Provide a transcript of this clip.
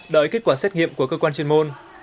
đợi kết quả xét nghiệm của cơ quan chuyên môn